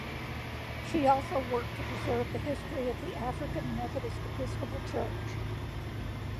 She also worked to preserve the history of the African Methodist Episcopal Church.